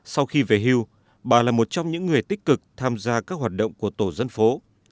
sau khi về hưu bà là một trong những người tích cực tham gia các hoạt động của tổ dân phố